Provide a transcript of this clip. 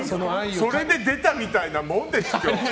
それで出たみたいなもんでしょ。